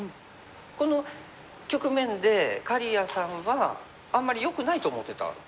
この局面で刈谷さんはあんまりよくないと思ってた？